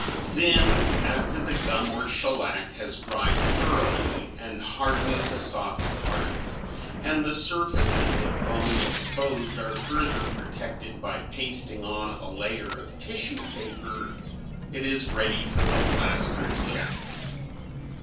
Then, after the gum or shellac has dried thoroughly and hardened the soft parts, and the surfaces of bone exposed are further protected by pasting on a layer of tissue paper, it is ready for the "plaster jacket."